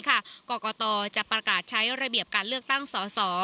กรกตจะประกาศใช้ระเบียบการเลือกตั้งสส